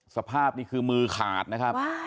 สภาพนี่คือมือขาดนะครับ